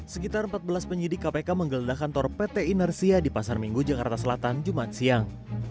sekitar empat belas penyidik kpk menggeledah kantor pt inersia di pasar minggu jakarta selatan jumat siang